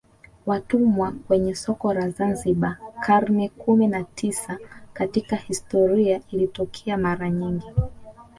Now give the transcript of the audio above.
Watumwa kwenye soko la Zanzibar karne kumi na tisa Katika historia ilitokea mara nyingi